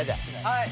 はい。